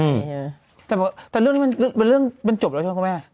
อืมแต่เรื่องนี้มันเรื่องมันจบแล้วใช่ไหมครับคุณแม่